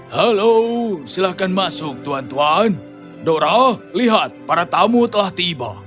halo silahkan masuk tuan tuan dora lihat para tamu telah tiba